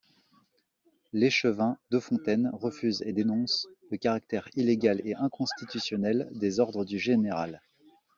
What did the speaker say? L'échevin Defontaine refuse et dénonce le caractère illégal et inconstitutionnel des ordres du général.